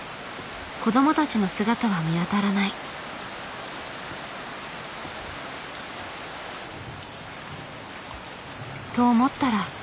子どもたちの姿は見当たらない。と思ったら。